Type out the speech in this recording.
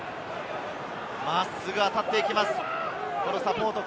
真っすぐ当たっていきます。